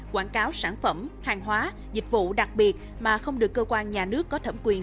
quảng cáo sản phẩm hàng hóa dịch vụ đặc biệt mà không được cơ quan nhà nước có thẩm quyền